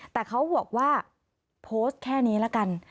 แต่เขาบอกว่าโพสต์แค่นี้ละกัน